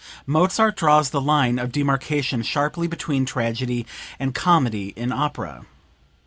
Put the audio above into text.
Mozart draws the line of demarcation sharply between tragedy and comedy in opera.